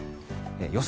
予想